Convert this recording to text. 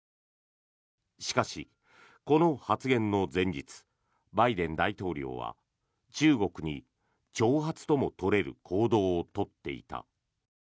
しかし、この発言の前日バイデン大統領は中国に挑発とも取れる行動を取っていた。